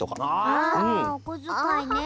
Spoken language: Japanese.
あおこづかいね。